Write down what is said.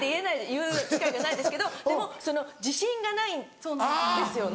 言う機会がないですけどでも自信がないんですよね。